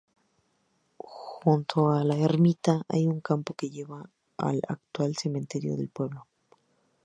Junto a la ermita hay un camino que lleva al actual cementerio del pueblo.